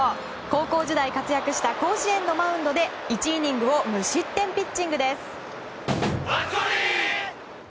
高校時代活躍した甲子園のマウンドで１イニングを無失点ピッチングです。